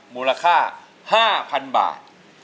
มูลค่า๕๐๐๐บาท